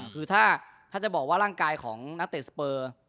คือถ้าจะบอกว่าร่างกายของนักเตะสเปอร์